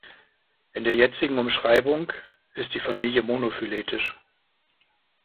In der jetzigen Umschreibung ist die Familie monophyletisch.